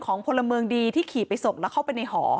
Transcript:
พลเมืองดีที่ขี่ไปส่งแล้วเข้าไปในหอ